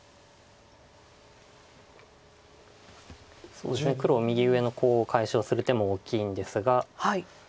そうですね黒右上のコウを解消する手も大きいんですが。